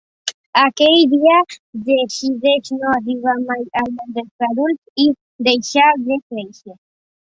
Aquell dia, decideix no arribar mai al món dels adults i deixar de créixer.